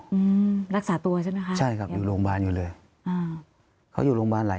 อืมรักษาตัวใช่ไหมคะใช่ครับอยู่โรงพยาบาลอยู่เลยอ่าเขาอยู่โรงพยาบาลหลาย